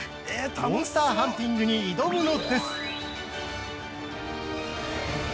モンスターハンティングに挑むのです。